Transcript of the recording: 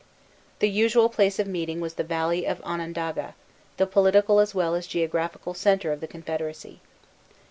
The usual place of meeting was the valley of Onondaga, the political as well as geographical centre of the confederacy.